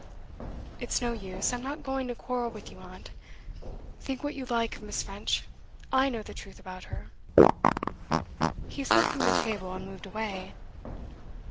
'It's no use, I'm not going to quarrel with you, aunt. Think what you like of Miss. French, I know the truth about her.' He slipped from the table, and moved away.